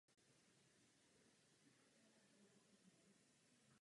To se nepovedlo a následoval pozemní útok.